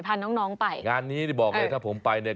พาน้องไป